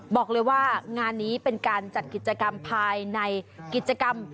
บอกเลยว่างานนี้เป็นการจัดกิจกรรมภายในกิจกรรม